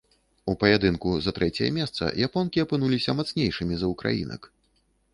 У паядынку за трэцяе месца японкі апынуліся мацнейшымі за ўкраінак.